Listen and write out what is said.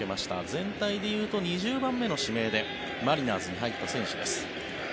全体で言うと２０番目の指名でマリナーズに入った選手です。